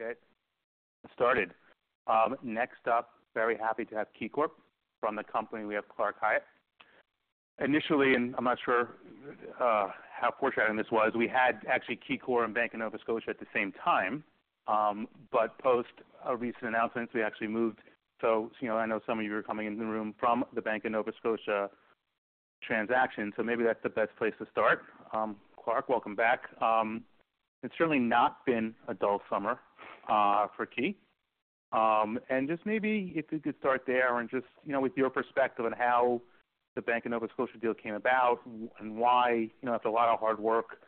Okay, get started. Next up, very happy to have KeyCorp. From the company, we have Clark Khayat. Initially, and I'm not sure how foreshadowing this was, we had actually KeyCorp and Bank of Nova Scotia at the same time, but post our recent announcements, we actually moved. So, you know, I know some of you are coming into the room from the Bank of Nova Scotia transaction, so maybe that's the best place to start. Clark, welcome back. It's certainly not been a dull summer for Key, and just maybe if you could start there and just, you know, with your perspective on how the Bank of Nova Scotia deal came about and why, you know, after a lot of hard work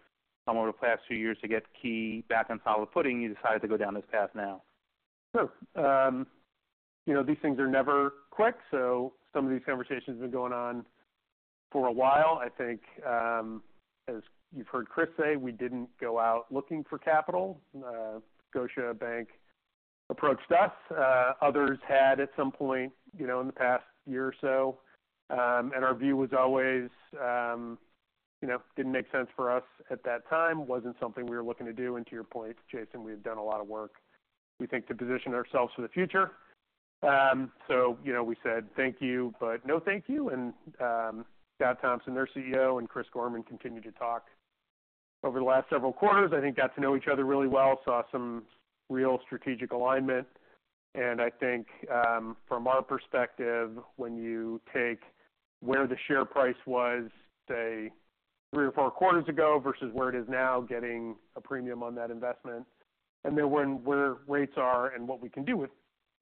over the past few years to get Key back on solid footing, you decided to go down this path now. Sure. You know, these things are never quick, so some of these conversations have been going on for a while. I think, as you've heard Chris say, we didn't go out looking for capital. Scotiabank approached us. Others had at some point, you know, in the past year or so. And our view was always, you know, didn't make sense for us at that time, wasn't something we were looking to do. And to your point, Jason, we've done a lot of work, we think, to position ourselves for the future. So, you know, we said, "Thank you, but no, thank you." And, Scott Thomson, their CEO, and Chris Gorman continued to talk over the last several quarters. I think got to know each other really well, saw some real strategic alignment. I think from our perspective, when you take where the share price was, say, three or four quarters ago versus where it is now, getting a premium on that investment, and then where rates are and what we can do with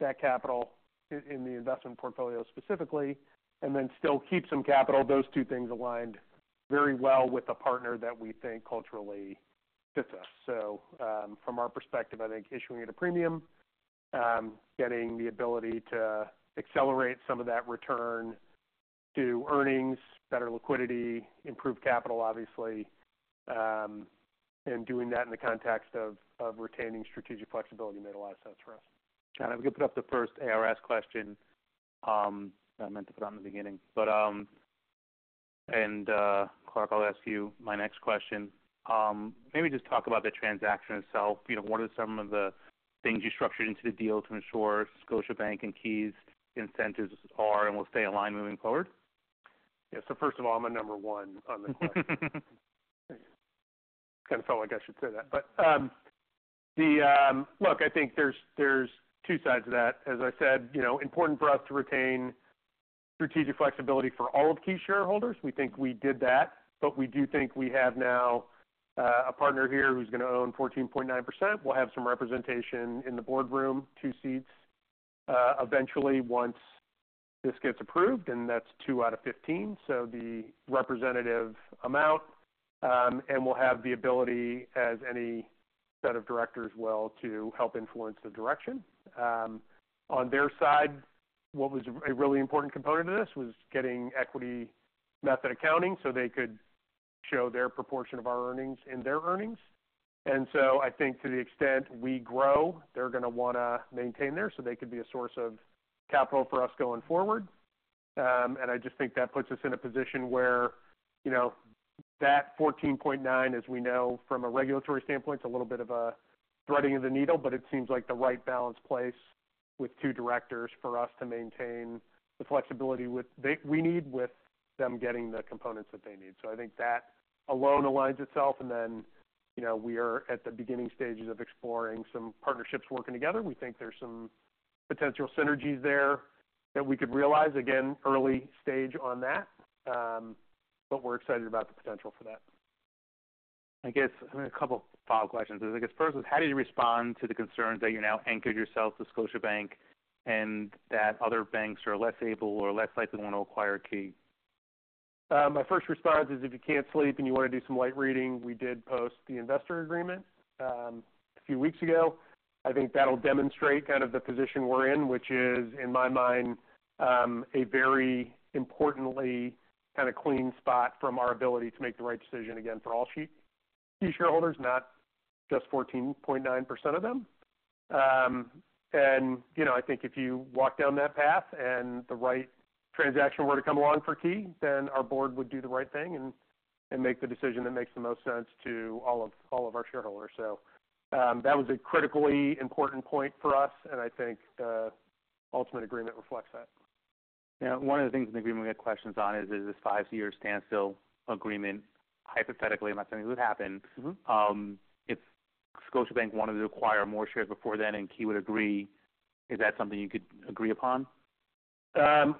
that capital in the investment portfolio specifically, and then still keep some capital, those two things aligned very well with a partner that we think culturally fits us. From our perspective, I think issuing at a premium, getting the ability to accelerate some of that return to earnings, better liquidity, improve capital, obviously, and doing that in the context of retaining strategic flexibility made a lot of sense for us. I'm going to put up the first ARS question. I meant to put on in the beginning. Clark, I'll ask you my next question. Maybe just talk about the transaction itself. You know, what are some of the things you structured into the deal to ensure Scotiabank and Key's incentives are and will stay aligned moving forward? Yeah. So first of all, I'm number one on this call. Kind of felt like I should say that. But, look, I think there's two sides to that. As I said, you know, important for us to retain strategic flexibility for all of Key shareholders. We think we did that, but we do think we have now a partner here who's going to own 14.9%. We'll have some representation in the boardroom, two seats, eventually, once this gets approved, and that's two out of 15, so the representative amount. And we'll have the ability as any set of directors will, to help influence the direction. On their side, what was a really important component of this was getting equity method accounting, so they could show their proportion of our earnings in their earnings. I think to the extent we grow, they're going to want to maintain there, so they could be a source of capital for us going forward. I just think that puts us in a position where, you know, that 14.9, as we know from a regulatory standpoint, is a little bit of a threading of the needle, but it seems like the right balanced place with two directors for us to maintain the flexibility we need, with them getting the components that they need. I think that alone aligns itself, and then, you know, we are at the beginning stages of exploring some partnerships working together. We think there's some potential synergies there that we could realize. Again, early stage on that, but we're excited about the potential for that. I guess a couple of follow-up questions. I guess first is, how do you respond to the concerns that you now anchored yourself to Scotiabank and that other banks are less able or less likely to want to acquire Key? My first response is, if you can't sleep and you want to do some light reading, we did post the investor agreement a few weeks ago. I think that'll demonstrate kind of the position we're in, which is, in my mind, a very importantly, kind of clean spot from our ability to make the right decision, again, for all Key, Key shareholders, not just 14.9% of them. And, you know, I think if you walk down that path and the right transaction were to come along for Key, then our board would do the right thing and, and make the decision that makes the most sense to all of, all of our shareholders. So, that was a critically important point for us, and I think the ultimate agreement reflects that. Yeah. One of the things in the agreement we had questions on is this five-year standstill agreement, hypothetically. I'm not saying it would happen- Mm-hmm. If Scotiabank wanted to acquire more shares before then, and Key would agree, is that something you could agree upon? At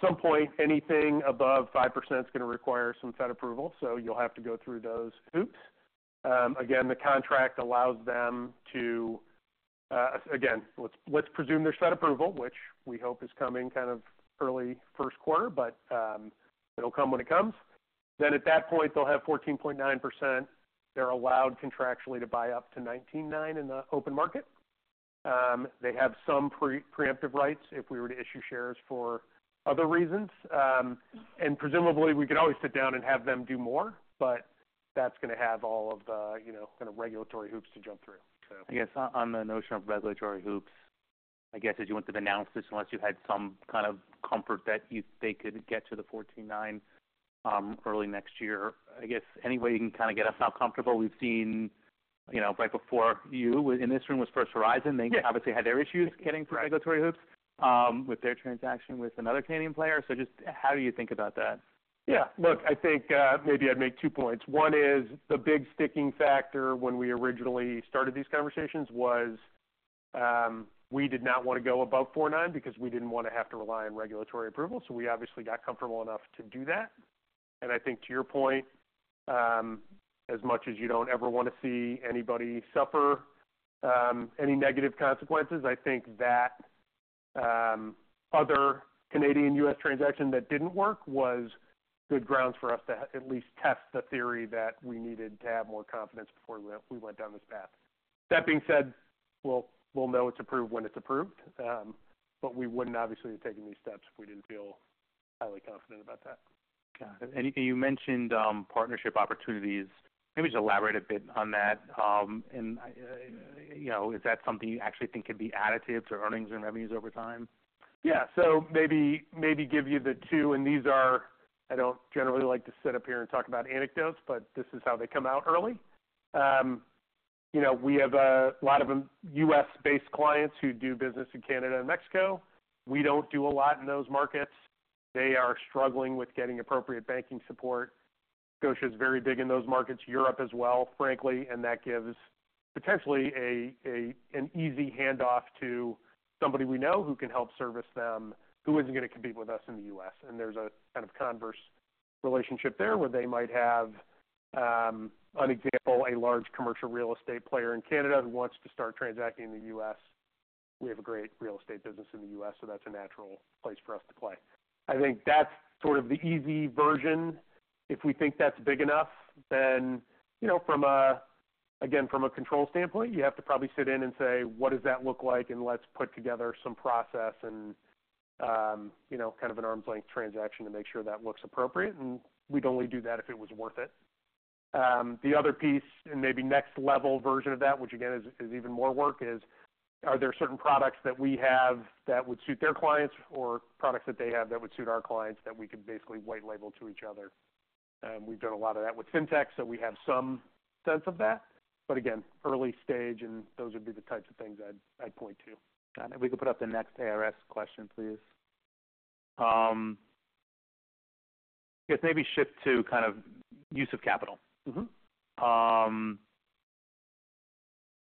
some point, anything above 5% is going to require some Fed approval, so you'll have to go through those hoops. Again, the contract allows them to. Let's presume there's Fed approval, which we hope is coming kind of early first quarter, but it'll come when it comes. At that point, they'll have 14.9%. They're allowed contractually to buy up to 19.9 in the open market. They have some preemptive rights if we were to issue shares for other reasons. Presumably, we could always sit down and have them do more, but that's going to have all of the, you know, kind of regulatory hoops to jump through, so. I guess on the notion of regulatory hoops. I guess, as you went to announce this, unless you had some kind of comfort that they could get to the 14.9 early next year. I guess, any way you can kind of get us feel comfortable? We've seen, you know, right before you in this room was First Horizon. Yeah. They obviously had their issues getting through regulatory hoops, with their transaction with another Canadian player. So just how do you think about that? Yeah. Look, I think, maybe I'd make two points. One is the big sticking factor when we originally started these conversations was, we did not want to go above 4.9 because we didn't want to have to rely on regulatory approval. So we obviously got comfortable enough to do that. And I think to your point, as much as you don't ever want to see anybody suffer, any negative consequences, I think that, other Canadian-U.S. transaction that didn't work was good grounds for us to at least test the theory that we needed to have more confidence before we went down this path. That being said, we'll know it's approved when it's approved, but we wouldn't obviously have taken these steps if we didn't feel highly confident about that. Got it. And you mentioned, partnership opportunities. Maybe just elaborate a bit on that. And, you know, is that something you actually think could be additive to earnings and revenues over time? Yeah. So maybe, maybe give you the two, and these are. I don't generally like to sit up here and talk about anecdotes, but this is how they come out early. You know, we have a lot of U.S.-based clients who do business in Canada and Mexico. We don't do a lot in those markets. They are struggling with getting appropriate banking support. Scotia is very big in those markets, Europe as well, frankly, and that gives potentially an easy handoff to somebody we know who can help service them, who isn't going to compete with us in the U.S. And there's a kind of converse relationship there, where they might have an example, a large commercial real estate player in Canada who wants to start transacting in the U.S. We have a great real estate business in the U.S., so that's a natural place for us to play. I think that's sort of the easy version. If we think that's big enough, then, you know, from a, again, from a control standpoint, you have to probably sit in and say, what does that look like? And let's put together some process and, you know, kind of an arm's length transaction to make sure that looks appropriate, and we'd only do that if it was worth it. The other piece, and maybe next-level version of that, which again, is, is even more work, is are there certain products that we have that would suit their clients or products that they have that would suit our clients that we could basically white label to each other? And we've done a lot of that with fintech, so we have some sense of that. But again, early stage, and those would be the types of things I'd, I'd point to. Got it. If we could put up the next ARS question, please. I guess maybe shift to kind of use of capital. Mm-hmm.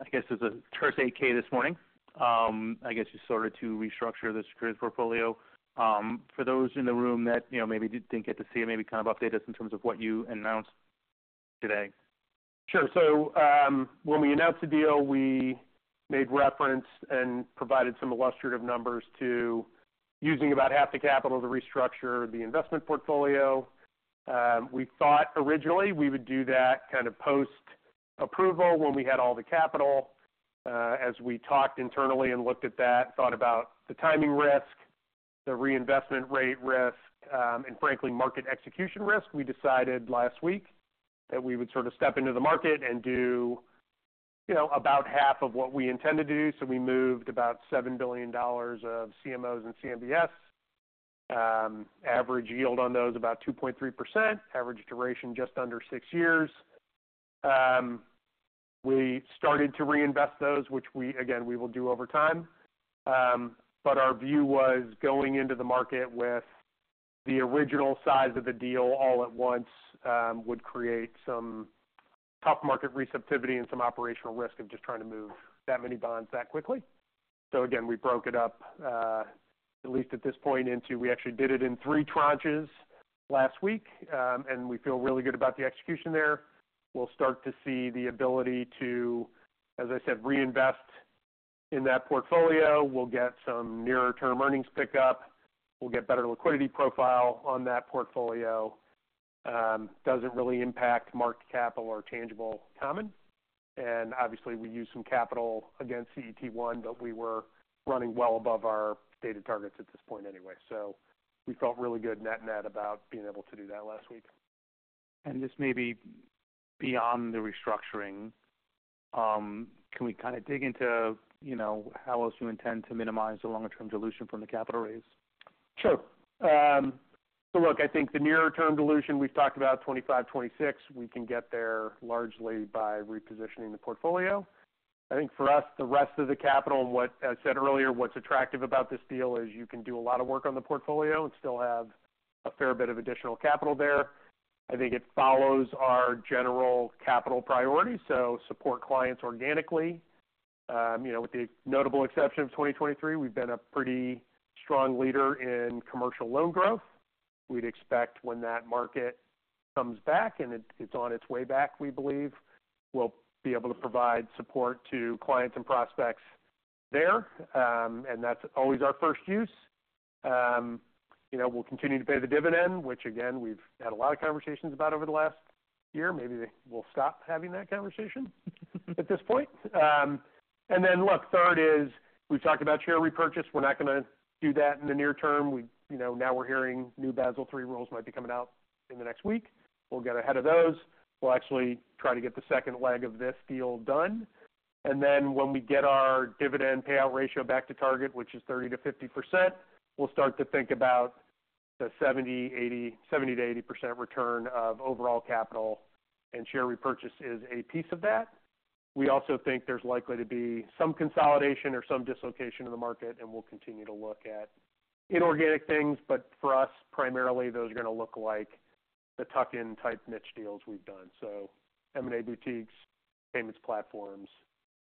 I guess there's a terse 8-K this morning. I guess, just sort of to restructure the securities portfolio. For those in the room that, you know, maybe didn't get to see it, maybe kind of update us in terms of what you announced today. Sure. So, when we announced the deal, we made reference and provided some illustrative numbers to using about half the capital to restructure the investment portfolio. We thought originally we would do that kind of post-approval when we had all the capital. As we talked internally and looked at that, thought about the timing risk, the reinvestment rate risk, and frankly, market execution risk, we decided last week that we would sort of step into the market and do, you know, about half of what we intend to do. So we moved about $7 billion of CMOs and CMBS. Average yield on those, about 2.3%. Average duration, just under six years. We started to reinvest those, which we, again, we will do over time. But our view was going into the market with the original size of the deal all at once would create some tough market receptivity and some operational risk of just trying to move that many bonds that quickly. So again, we broke it up, at least at this point, into we actually did it in three tranches last week, and we feel really good about the execution there. We'll start to see the ability to, as I said, reinvest in that portfolio. We'll get some nearer-term earnings pickup. We'll get better liquidity profile on that portfolio. Doesn't really impact market capital or tangible common. And obviously, we use some capital against CET1, but we were running well above our stated targets at this point anyway. So we felt really good net net about being able to do that last week. This may be beyond the restructuring. Can we kind of dig into, you know, how else you intend to minimize the longer-term dilution from the capital raise? Sure. So look, I think the nearer-term dilution, we've talked about 2025-2026. We can get there largely by repositioning the portfolio. I think for us, the rest of the capital, and what I said earlier, what's attractive about this deal is you can do a lot of work on the portfolio and still have a fair bit of additional capital there. I think it follows our general capital priority, so support clients organically. You know, with the notable exception of 2023, we've been a pretty strong leader in commercial loan growth. We'd expect when that market comes back, and it, it's on its way back, we believe, we'll be able to provide support to clients and prospects there. And that's always our first use. You know, we'll continue to pay the dividend, which again, we've had a lot of conversations about over the last year. Maybe we'll stop having that conversation at this point. And then look, third is, we've talked about share repurchase. We're not going to do that in the near term. We, you know, now we're hearing new Basel III rules might be coming out in the next week. We'll get ahead of those. We'll actually try to get the second leg of this deal done. And then when we get our dividend payout ratio back to target, which is 30%-50%, we'll start to think about a 70%-80% return of overall capital, and share repurchase is a piece of that. We also think there's likely to be some consolidation or some dislocation in the market, and we'll continue to look at inorganic things. But for us, primarily, those are going to look like the tuck-in type niche deals we've done. So M&A boutiques, payments platforms,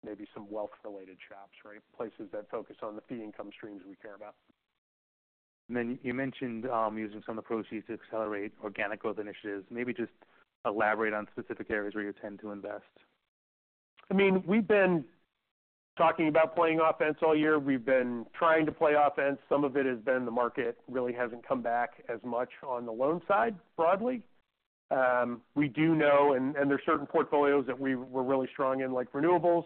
maybe some wealth-related shops, right? Places that focus on the fee income streams we care about. And then you mentioned, using some of the proceeds to accelerate organic growth initiatives. Maybe just elaborate on specific areas where you intend to invest. I mean, we've been talking about playing offense all year. We've been trying to play offense. Some of it has been the market really hasn't come back as much on the loan side, broadly. We do know, and there are certain portfolios that we're really strong in, like renewables,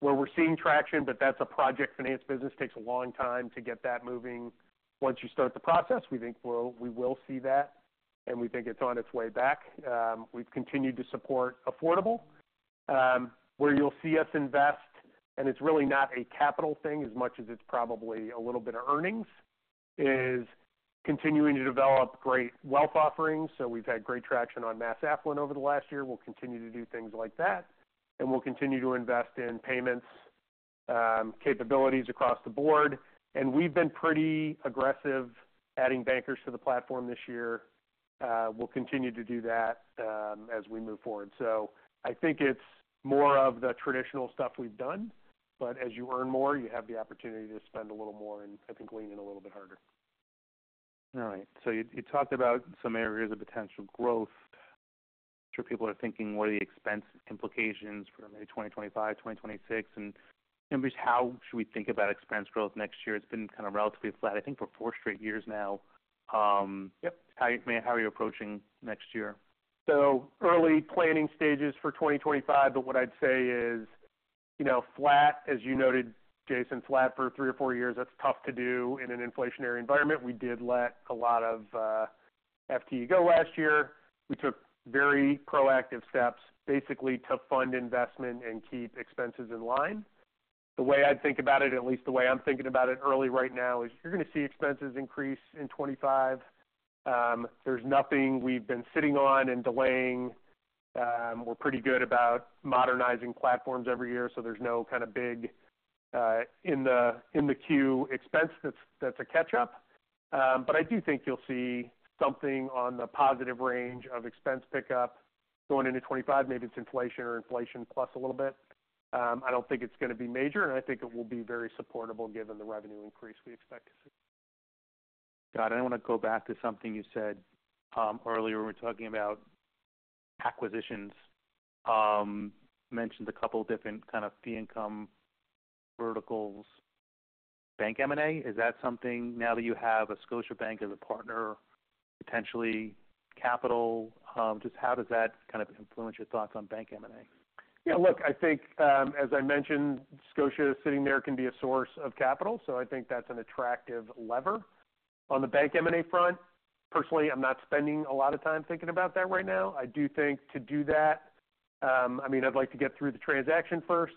where we're seeing traction, but that's a project finance business. Takes a long time to get that moving. Once you start the process, we think we will see that, and we think it's on its way back. We've continued to support affordable. Where you'll see us invest, and it's really not a capital thing as much as it's probably a little bit of earnings, is continuing to develop great wealth offerings. So we've had great traction on mass affluent over the last year. We'll continue to do things like that, and we'll continue to invest in payments, capabilities across the board, and we've been pretty aggressive adding bankers to the platform this year. We'll continue to do that, as we move forward, so I think it's more of the traditional stuff we've done, but as you earn more, you have the opportunity to spend a little more and I think lean in a little bit harder. All right. So you talked about some areas of potential growth. I'm sure people are thinking, what are the expense implications for maybe 2025, 2026, and just how should we think about expense growth next year? It's been kind of relatively flat, I think, for four straight years now. Yep. How, I mean, how are you approaching next year? So early planning stages for 2025, but what I'd say is, you know, flat, as you noted, Jason, flat for three or four years, that's tough to do in an inflationary environment. We did let a lot of FTE go last year. We took very proactive steps, basically to fund investment and keep expenses in line. The way I'd think about it, at least the way I'm thinking about it early right now, is you're going to see expenses increase in 2025. There's nothing we've been sitting on and delaying. We're pretty good about modernizing platforms every year, so there's no kind of big in the queue expense that's a catch-up. But I do think you'll see something on the positive range of expense pickup going into 2025. Maybe it's inflation or inflation plus a little bit. I don't think it's going to be major, and I think it will be very supportable given the revenue increase we expect to see. Got it. I want to go back to something you said, earlier when we were talking about acquisitions. Mentioned a couple of different kind of fee income verticals. Bank M&A, is that something now that you have a Scotiabank as a partner, potentially capital, just how does that kind of influence your thoughts on bank M&A? Yeah, look, I think, as I mentioned, Scotia sitting there can be a source of capital, so I think that's an attractive lever. On the bank M&A front, personally, I'm not spending a lot of time thinking about that right now. I do think to do that, I mean, I'd like to get through the transaction first.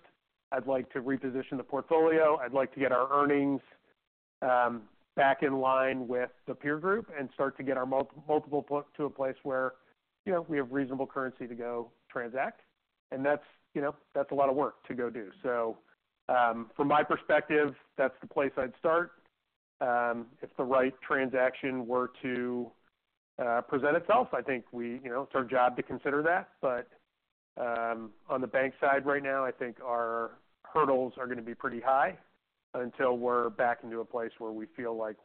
I'd like to reposition the portfolio. I'd like to get our earnings, back in line with the peer group and start to get our multiple put to a place where, you know, we have reasonable currency to go transact, and that's, you know, that's a lot of work to go do. So, from my perspective, that's the place I'd start. If the right transaction were to present itself, I think we, you know, it's our job to consider that. On the bank side right now, I think our hurdles are going to be pretty high until we're back into a place where we feel like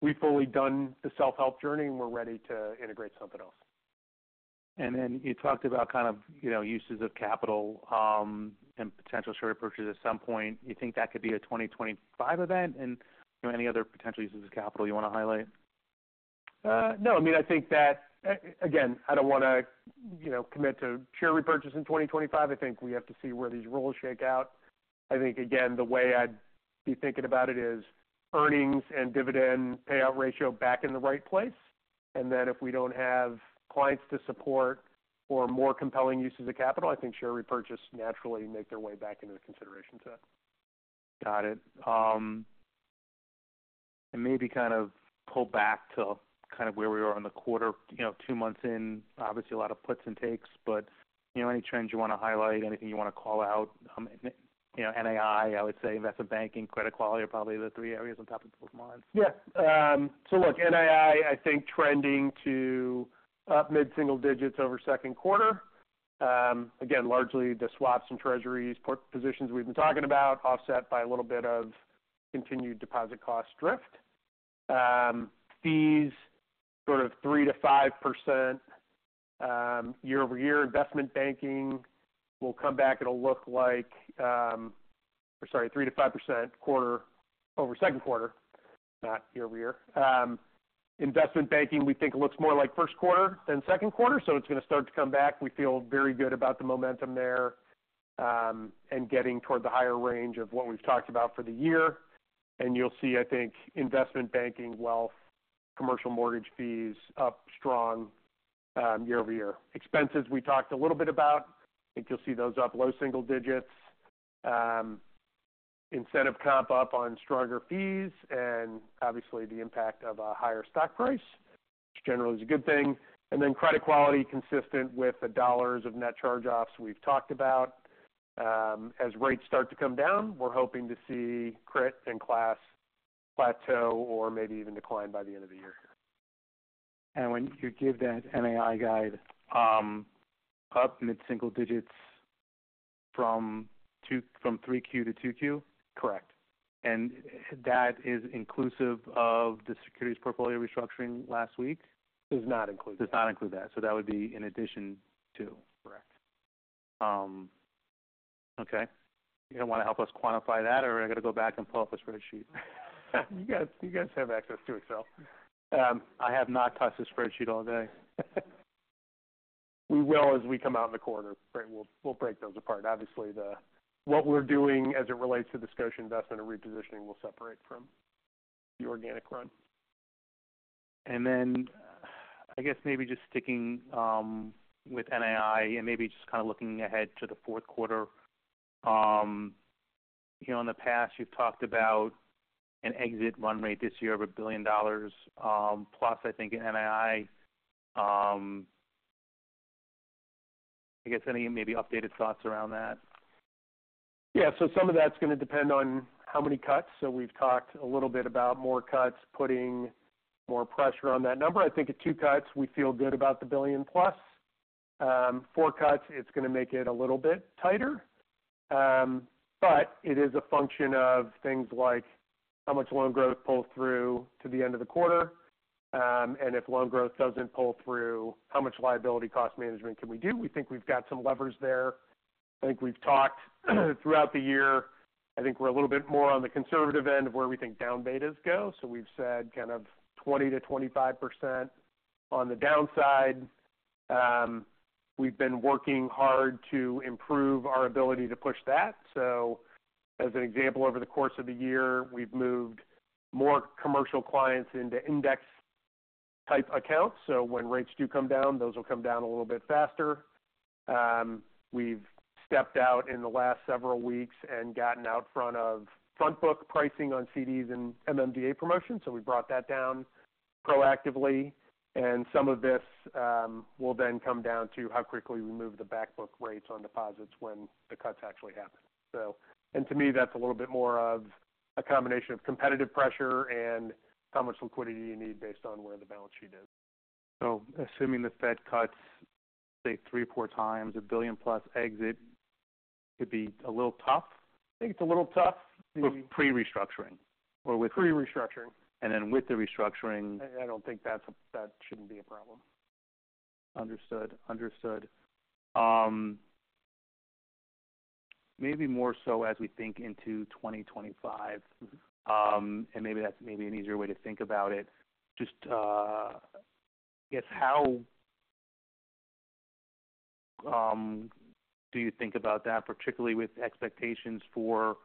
we've fully done the self-help journey, and we're ready to integrate something else. And then you talked about kind of, you know, uses of capital, and potential share repurchases at some point. You think that could be a 2025 event? And, you know, any other potential uses of capital you want to highlight? No, I mean, I think that, again, I don't want to, you know, commit to share repurchase in 2025. I think we have to see where these rules shake out. I think, again, the way I'd be thinking about it is earnings and dividend payout ratio back in the right place. And then if we don't have clients to support or more compelling uses of capital, I think share repurchase naturally make their way back into the consideration set. Got it. And maybe kind of pull back to kind of where we were on the quarter, you know, two months in. Obviously, a lot of puts and takes, but, you know, any trends you want to highlight, anything you want to call out? You know, NII, I would say investment banking, credit quality are probably the three areas on top of people's minds. Yeah. So look, NII, I think, trending to up mid-single digits over second quarter. Again, largely the swaps and treasuries portfolio positions we've been talking about, offset by a little bit of continued deposit cost drift. Fees sort of 3%-5%, year-over-year. Investment banking will come back. It'll look like... Sorry, 3%-5% quarter-over-quarter, over second quarter, not year-over-year. Investment banking, we think, looks more like first quarter than second quarter, so it's going to start to come back. We feel very good about the momentum there, and getting toward the higher range of what we've talked about for the year. And you'll see, I think, investment banking, wealth, commercial mortgage fees up strong, year-over-year. Expenses, we talked a little bit about. I think you'll see those up low single digits. Incentive comp up on stronger fees and obviously the impact of a higher stock price, which generally is a good thing, and then credit quality consistent with the dollars of net charge-offs we've talked about. As rates start to come down, we're hoping to see crit and class plateau or maybe even decline by the end of the year. When you give that NII guide, up mid-single digits from 3Q to 2Q? Correct. That is inclusive of the securities portfolio restructuring last week? Does not include that. Does not include that. So that would be in addition to. Correct. Okay. You don't want to help us quantify that, or I got to go back and pull up a spreadsheet? You guys, you guys have access to Excel. I have not touched a spreadsheet all day. We will, as we come out in the quarter. Right, we'll, we'll break those apart. Obviously, the, what we're doing as it relates to the Scotia investment and repositioning will separate from the organic run. I guess maybe just sticking with NII and maybe just kind of looking ahead to the fourth quarter. Here in the past, you've talked about an exit run rate this year of $1 billion+, I think in NII. I guess any maybe updated thoughts around that? Yeah, so some of that's going to depend on how many cuts. So we've talked a little bit about more cuts, putting more pressure on that number. I think at two cuts, we feel good about the $1 billion+. Four cuts, it's going to make it a little bit tighter. But it is a function of things like how much loan growth pull through to the end of the quarter, and if loan growth doesn't pull through, how much liability cost management can we do? We think we've got some levers there. I think we've talked throughout the year. I think we're a little bit more on the conservative end of where we think down betas go. So we've said kind of 20%-25%. On the downside, we've been working hard to improve our ability to push that. So as an example, over the course of the year, we've moved more commercial clients into index type accounts. So when rates do come down, those will come down a little bit faster. We've stepped out in the last several weeks and gotten out front of front book pricing on CDs and MMDA promotions, so we brought that down proactively. And some of this will then come down to how quickly we move the back book rates on deposits when the cuts actually happen. So, and to me, that's a little bit more of a combination of competitive pressure and how much liquidity you need based on where the balance sheet is. So assuming the Fed cuts, say, three or four times, a $1 billion+ exit could be a little tough? I think it's a little tough. Pre-restructuring or with- Pre-restructuring. And then with the restructuring... That shouldn't be a problem. Understood. Understood. Maybe more so as we think into 2025, and maybe that's maybe an easier way to think about it. Just, I guess, how do you think about that, particularly with expectations for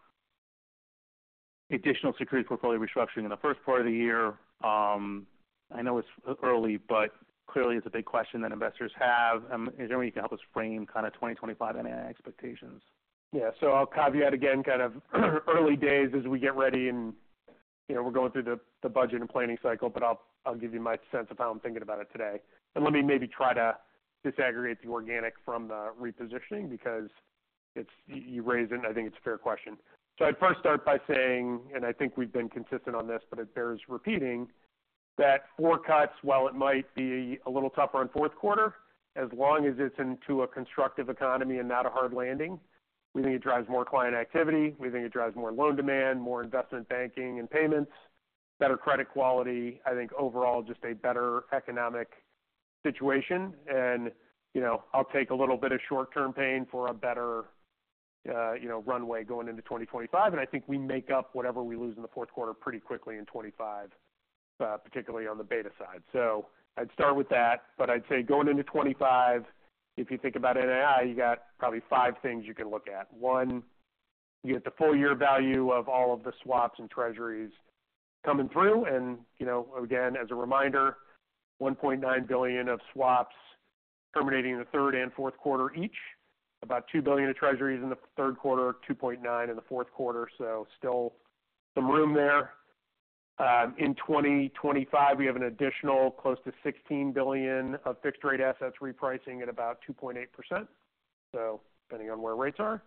additional security portfolio restructuring in the first part of the year? I know it's early, but clearly, it's a big question that investors have. Is there any you can help us frame kind of 2025 NII expectations? Yeah. So I'll caveat again, kind of early days as we get ready, and, you know, we're going through the budget and planning cycle, but I'll give you my sense of how I'm thinking about it today. And let me maybe try to disaggregate the organic from the repositioning because it's, you raised it, and I think it's a fair question. So I'd first start by saying, and I think we've been consistent on this, but it bears repeating, that four cuts, while it might be a little tougher on fourth quarter, as long as it's into a constructive economy and not a hard landing, we think it drives more client activity, we think it drives more loan demand, more investment banking and payments, better credit quality. I think overall, just a better economic situation. You know, I'll take a little bit of short-term pain for a better runway going into 2025, and I think we make up whatever we lose in the fourth quarter pretty quickly in 2025, particularly on the beta side. So I'd start with that, but I'd say going into 2025, if you think about NII, you got probably five things you can look at. One, you get the full year value of all of the swaps and treasuries coming through. You know, again, as a reminder, $1.9 billion of swaps terminating in the third and fourth quarter each, about $2 billion of treasuries in the third quarter, $2.9 billion in the fourth quarter. So still some room there. In 2025, we have an additional close to $16 billion of fixed-rate assets repricing at about 2.8%. So depending on where rates are,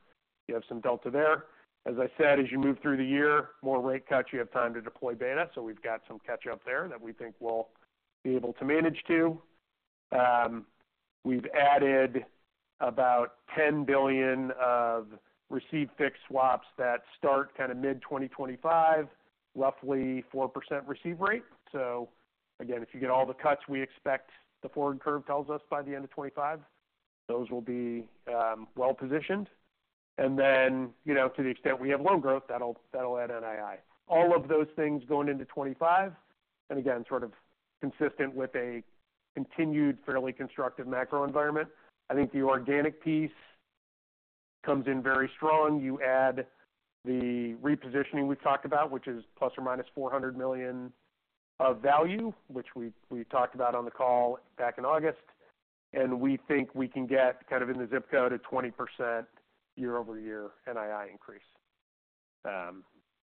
you have some delta there. As I said, as you move through the year, more rate cuts, you have time to deploy beta, so we've got some catch-up there that we think we'll be able to manage to. We've added about $10 billion of receive fixed swaps that start kind of mid-2025, roughly 4% receive rate. So again, if you get all the cuts we expect the forward curve tells us by the end of 2025, those will be well-positioned. And then, you know, to the extent we have loan growth, that'll add NII. All of those things going into 2025, and again, sort of consistent with a continued, fairly constructive macro environment. I think the organic piece comes in very strong. You add the repositioning we've talked about, which is plus or minus $400 million of value, which we talked about on the call back in August... and we think we can get kind of in the zip code at 20% year over year NII increase.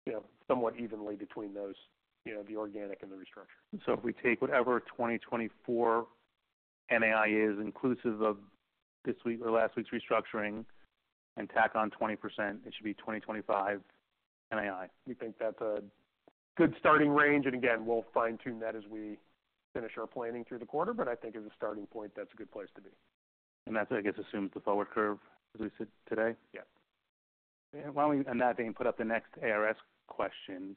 You know, somewhat evenly between those, you know, the organic and the restructuring. If we take whatever 2024 NII is inclusive of this week or last week's restructuring and tack on 20%, it should be 2025 NII? We think that's a good starting range, and again, we'll fine-tune that as we finish our planning through the quarter, but I think as a starting point, that's a good place to be. And that, I guess, assumes the forward curve, as we said today? Yes. While we, on that, Dan, put up the next ARS question.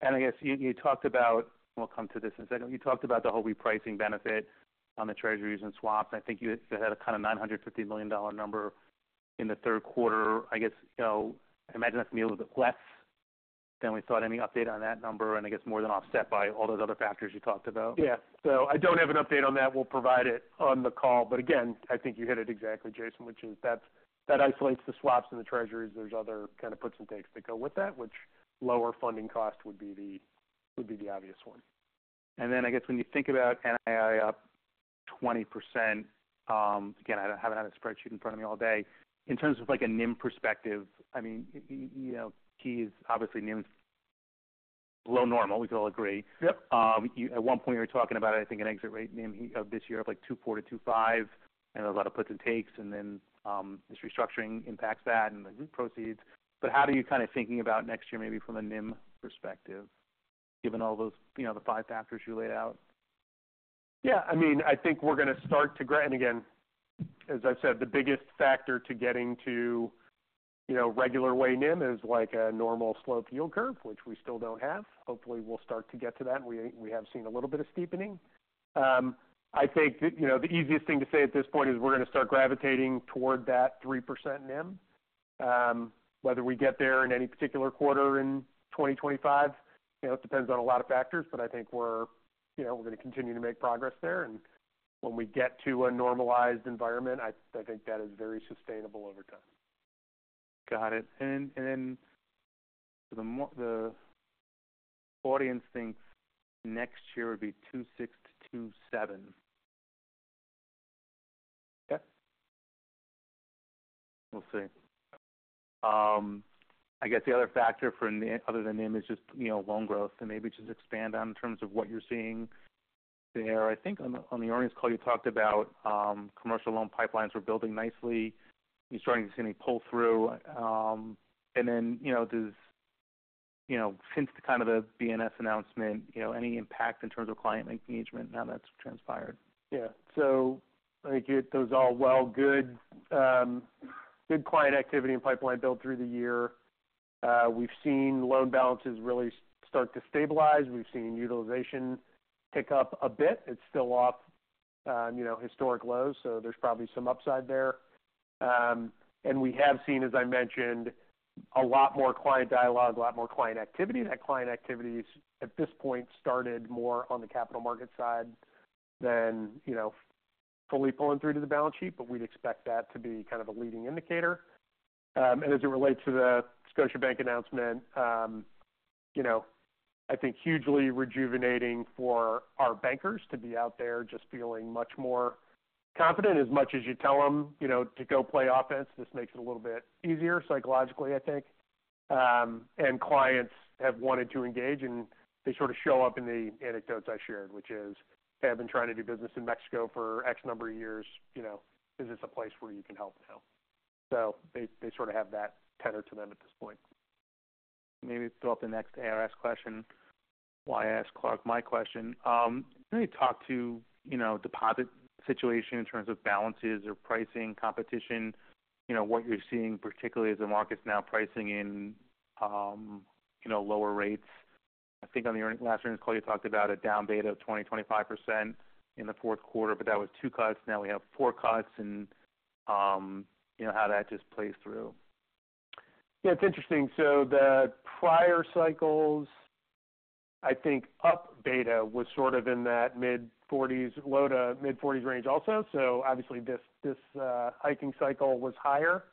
And I guess you talked about, we'll come to this in a second. You talked about the whole repricing benefit on the treasuries and swaps. I think you had a kind of $950 million number in the third quarter. I guess, you know, I imagine that's going to be a little bit less than we thought. Any update on that number, and I guess more than offset by all those other factors you talked about? Yeah. So I don't have an update on that. We'll provide it on the call. But again, I think you hit it exactly, Jason, which is that isolates the swaps and the treasuries. There's other kind of puts and takes that go with that, which lower funding cost would be the obvious one. And then I guess when you think about NII up 20%, again, I haven't had a spreadsheet in front of me all day. In terms of like a NIM perspective, I mean, you know, Key is obviously NIM is below normal. We can all agree. Yep. You at one point, you were talking about, I think, an exit rate NIM of this year of like 2.4%-2.5%, and a lot of puts and takes, and then, this restructuring impacts that and the group proceeds. But how are you kind of thinking about next year, maybe from a NIM perspective, given all those, you know, the five factors you laid out? Yeah, I mean, I think we're going to start, and again, as I've said, the biggest factor to getting to, you know, regular way NIM is like a normal sloped yield curve, which we still don't have. Hopefully, we'll start to get to that. We have seen a little bit of steepening. I think, you know, the easiest thing to say at this point is we're going to start gravitating toward that 3% NIM. Whether we get there in any particular quarter in 2025, you know, it depends on a lot of factors, but I think we're, you know, we're going to continue to make progress there. And when we get to a normalized environment, I think that is very sustainable over time. Got it. And then the mode. The audience thinks next year would be 2.6%-2.7%. Yeah. We'll see. I guess the other factor for NII other than NIM is just, you know, loan growth, and maybe just expand on in terms of what you're seeing there. I think on the, on the earnings call, you talked about, commercial loan pipelines were building nicely. You're starting to see any pull-through. And then, you know, does, you know, since the kind of the BNS announcement, you know, any impact in terms of client engagement and how that's transpired? Yeah. So I think those are all well, good client activity and pipeline build through the year. We've seen loan balances really start to stabilize. We've seen utilization pick up a bit. It's still off, you know, historic lows, so there's probably some upside there. And we have seen, as I mentioned, a lot more client dialogue, a lot more client activity. That client activity is, at this point, started more on the capital market side than, you know, fully pulling through to the balance sheet, but we'd expect that to be kind of a leading indicator. And as it relates to the Scotiabank announcement, you know, I think hugely rejuvenating for our bankers to be out there just feeling much more confident. As much as you tell them, you know, to go play offense, this makes it a little bit easier psychologically, I think. And clients have wanted to engage, and they sort of show up in the anecdotes I shared, which is, "Hey, I've been trying to do business in Mexico for X number of years, you know, is this a place where you can help now?" So they sort of have that tether to them at this point. Maybe throw up the next ARS question. While I ask Clark my question, can you talk to, you know, deposit situation in terms of balances or pricing, competition, you know, what you're seeing, particularly as the market's now pricing in, you know, lower rates? I think on the earnings, last earnings call, you talked about a down beta of 20%-25% in the fourth quarter, but that was two cuts. Now we have four cuts, and, you know, how that just plays through. Yeah, it's interesting. So the prior cycles, I think deposit beta was sort of in that mid-40s, low to mid-40s range also. So obviously, this hiking cycle was higher.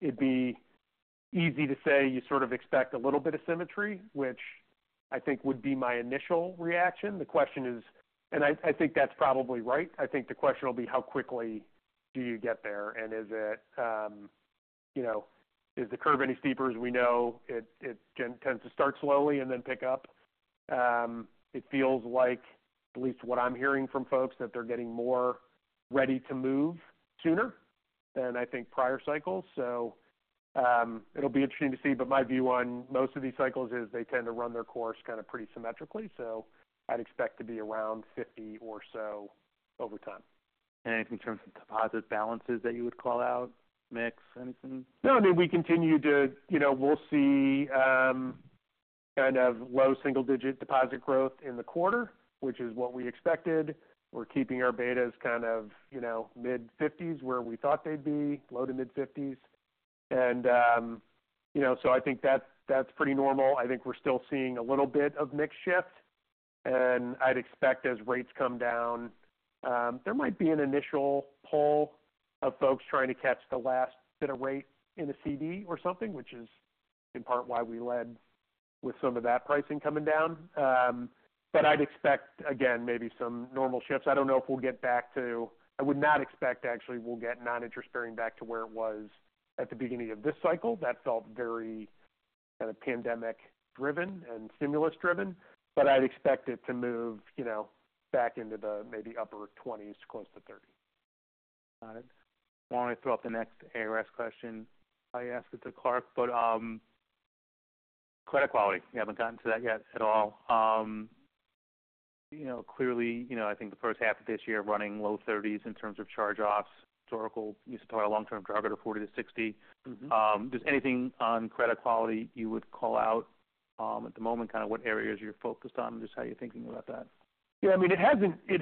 It'd be easy to say you sort of expect a little bit of symmetry, which I think would be my initial reaction. The question is, and I think that's probably right. I think the question will be, how quickly do you get there? And is it, you know, is the curve any steeper? As we know, it tends to start slowly and then pick up. It feels like, at least what I'm hearing from folks, that they're getting more ready to move sooner than I think prior cycles. So, it'll be interesting to see, but my view on most of these cycles is they tend to run their course kind of pretty symmetrically, so I'd expect to be around 50 or so over time. Anything in terms of deposit balances that you would call out, mix, anything? No, I mean, we continue to... You know, we'll see, kind of low single-digit deposit growth in the quarter, which is what we expected. We're keeping our betas kind of, you know, mid-50s, where we thought they'd be, low to mid-50s. And, you know, so I think that's, that's pretty normal. I think we're still seeing a little bit of mix shift. And I'd expect as rates come down, there might be an initial pull of folks trying to catch the last bit of rate in a CD or something, which is in part why we led-... with some of that pricing coming down. But I'd expect, again, maybe some normal shifts. I don't know if we'll get back to-- I would not expect, actually, we'll get non-interest bearing back to where it was at the beginning of this cycle. That felt very kind of pandemic-driven and stimulus-driven, but I'd expect it to move, you know, back into the maybe upper 20s, close to 30. Got it. Why don't I throw up the next ARS question? I ask it to Clark, but credit quality, we haven't gotten to that yet at all. You know, clearly, you know, I think the first half of this year running low 30s in terms of charge-offs. Historically, you support a long-term charge-off of 40-60. Mm-hmm. Just anything on credit quality you would call out, at the moment, kind of what areas you're focused on, and just how you're thinking about that? Yeah, I mean, it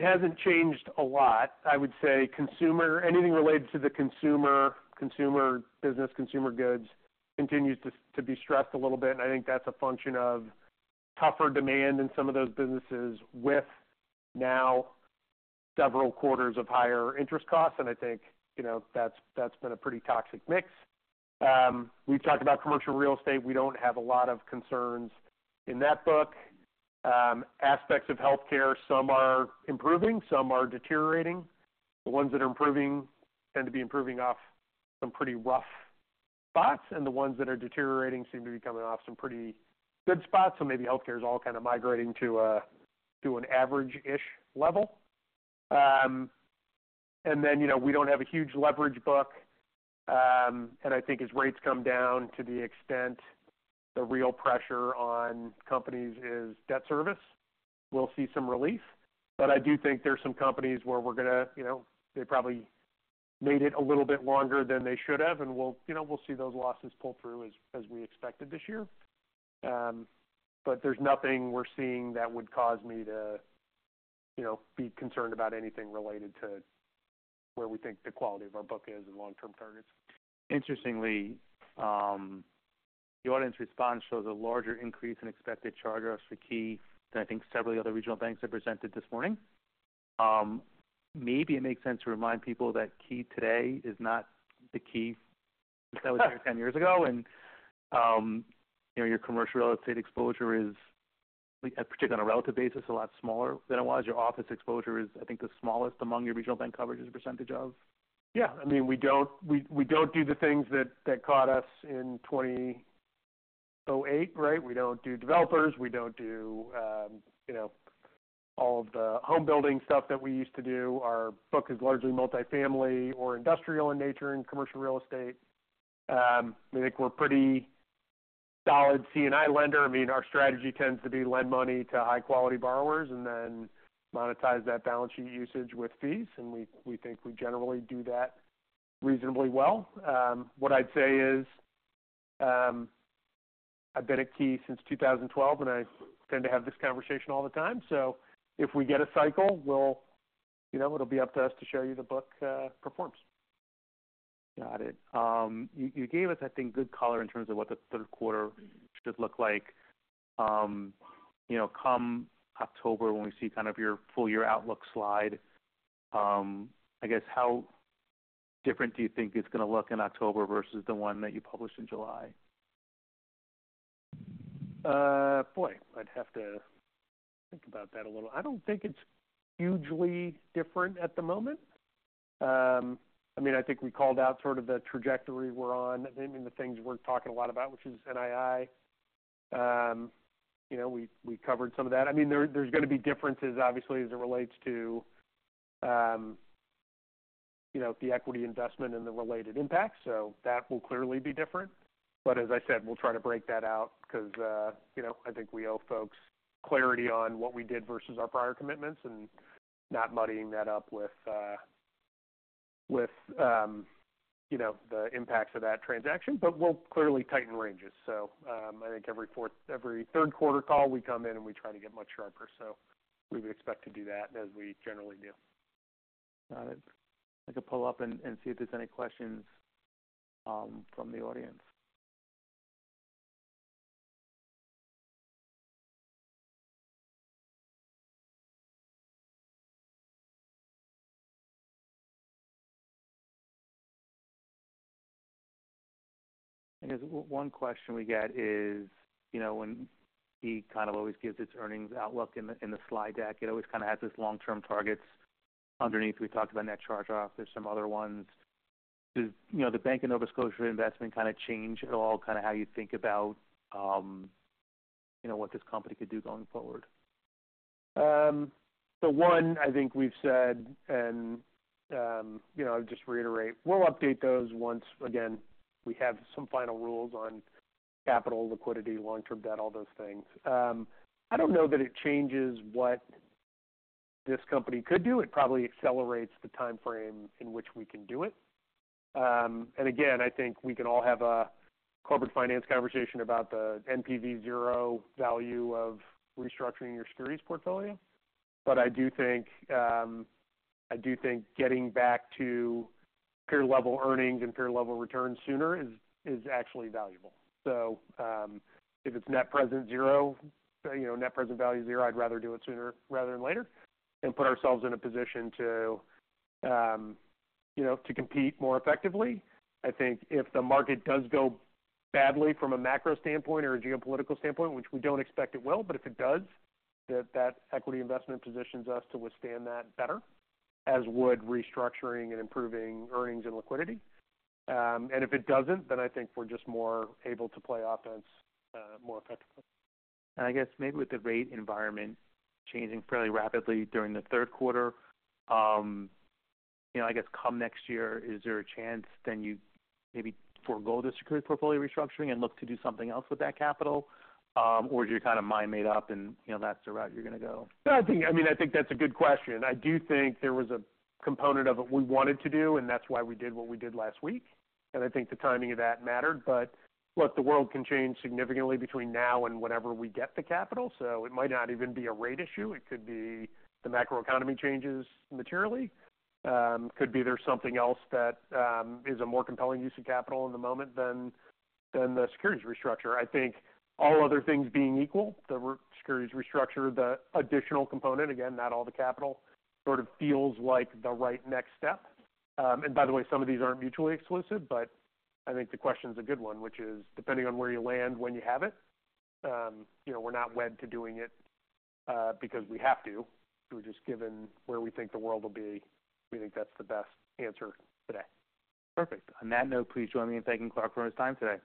hasn't changed a lot. I would say consumer, anything related to the consumer, consumer business, consumer goods continues to be stressed a little bit. I think that's a function of tougher demand in some of those businesses, with now several quarters of higher interest costs, and I think, you know, that's been a pretty toxic mix. We've talked about commercial real estate. We don't have a lot of concerns in that book. Aspects of healthcare, some are improving, some are deteriorating. The ones that are improving tend to be improving off some pretty rough spots, and the ones that are deteriorating seem to be coming off some pretty good spots. So maybe healthcare is all kind of migrating to an average-ish level. And then, you know, we don't have a huge leverage book. And I think as rates come down, to the extent the real pressure on companies is debt service, we'll see some relief. But I do think there are some companies where we're going to, you know, they probably made it a little bit longer than they should have, and we'll, you know, we'll see those losses pull through as we expected this year. But there's nothing we're seeing that would cause me to, you know, be concerned about anything related to where we think the quality of our book is and long-term targets. Interestingly, the audience response shows a larger increase in expected charge-offs for Key than I think several other regional banks have presented this morning. Maybe it makes sense to remind people that Key today is not the Key that was here 10 years ago. And, you know, your commercial real estate exposure is, particularly on a relative basis, a lot smaller than it was. Your office exposure is, I think, the smallest among your regional bank coverage as a percentage of. Yeah, I mean, we don't do the things that caught us in 2008, right? We don't do developers, we don't do, you know, all of the home building stuff that we used to do. Our book is largely multifamily or industrial in nature in commercial real estate. I think we're pretty solid C&I lender. I mean, our strategy tends to be lend money to high-quality borrowers and then monetize that balance sheet usage with fees, and we think we generally do that reasonably well. What I'd say is, I've been at Key since 2012, and I tend to have this conversation all the time. So if we get a cycle, we'll, you know, it'll be up to us to show you the book performs. Got it. You gave us, I think, good color in terms of what the third quarter should look like. You know, come October, when we see kind of your full year outlook slide, I guess, how different do you think it's going to look in October versus the one that you published in July? Boy, I'd have to think about that a little. I don't think it's hugely different at the moment. I mean, I think we called out sort of the trajectory we're on, I mean, the things we're talking a lot about, which is NII. You know, we covered some of that. I mean, there's going to be differences, obviously, as it relates to, you know, the equity investment and the related impact, so that will clearly be different. But as I said, we'll try to break that out because, you know, I think we owe folks clarity on what we did versus our prior commitments, and not muddying that up with, with, you know, the impacts of that transaction, but we'll clearly tighten ranges. I think every fourth, every third quarter call, we come in, and we try to get much sharper, so we would expect to do that as we generally do. Got it. I could pull up and see if there's any questions from the audience. I guess one question we get is, you know, when Key kind of always gives its earnings outlook in the slide deck, it always kind of has this long-term targets underneath. We talked about net charge-off. There's some other ones. Does, you know, the Bank of Nova Scotia investment kind of change at all, kind of how you think about, you know, what this company could do going forward? So, one, I think we've said, and, you know, I'll just reiterate, we'll update those once again. We have some final rules on capital, liquidity, long-term debt, all those things. I don't know that it changes what this company could do. It probably accelerates the timeframe in which we can do it. And again, I think we can all have a corporate finance conversation about the NPV zero value of restructuring your securities portfolio. But I do think, I do think getting back to peer-level earnings and peer-level returns sooner is actually valuable. So, if it's net present zero, you know, net present value zero, I'd rather do it sooner rather than later and put ourselves in a position to, you know, to compete more effectively. I think if the market does go badly from a macro standpoint or a geopolitical standpoint, which we don't expect it will, but if it does, that equity investment positions us to withstand that better, as would restructuring and improving earnings and liquidity, and if it doesn't, then I think we're just more able to play offense more effectively. And I guess maybe with the rate environment changing fairly rapidly during the third quarter, you know, I guess come next year, is there a chance then you maybe forego the securities portfolio restructuring and look to do something else with that capital? Or is your mind kind of made up and, you know, that's the route you're going to go? No, I think, I mean, I think that's a good question. I do think there was a component of it we wanted to do, and that's why we did what we did last week, and I think the timing of that mattered. But look, the world can change significantly between now and whenever we get the capital, so it might not even be a rate issue. It could be the macroeconomy changes materially. Could be there's something else that is a more compelling use of capital in the moment than the securities restructure. I think all other things being equal, the securities restructure, the additional component, again, not all the capital, sort of feels like the right next step. And by the way, some of these aren't mutually exclusive, but I think the question is a good one, which is, depending on where you land, when you have it, you know, we're not wed to doing it, because we have to. We're just given where we think the world will be, we think that's the best answer today. Perfect. On that note, please join me in thanking Clark for his time today.